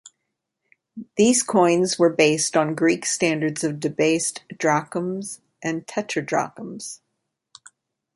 These coins were based on Greek standards of debased Drachms and Tetradrachms.